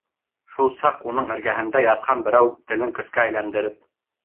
Шул саҡ уның эргәһендә ятҡан берәү телен көскә әйләндереп: